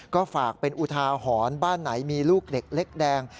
ก็ฝากเป็นอุทาหรณ์บ้านไหนมีลูกเด็กเล็กแดง